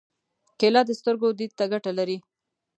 کېله د سترګو دید ته ګټه لري.